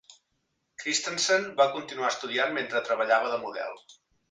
Christensen va continuar estudiant mentre treballava de model.